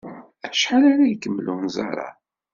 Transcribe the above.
Acḥal ara ikemmel unẓar-a?